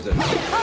あ！